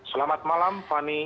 selamat malam fani